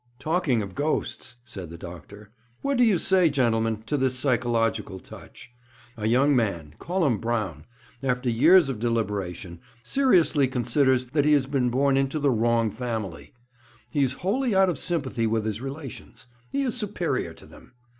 "' 'Talking of ghosts,' said the doctor, 'what do you say, gentlemen, to this psychological touch? A young man call him Brown after years of deliberation, seriously considers that he has been born into the wrong family. He is wholly out of sympathy with his relations. He is superior to them.